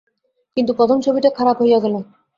কিন্তু প্রথম ছবিটা খারাপ হইয়া গেল।